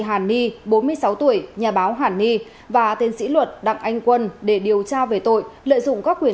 hàn ni bốn mươi sáu tuổi nhà báo hàn ni và tiến sĩ luật đặng anh quân để điều tra về tội lợi dụng các quyền